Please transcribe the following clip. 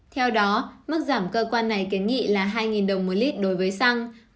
theo đó mức giảm cơ quan này kiến nghị là hai đồng một lít đối với xăng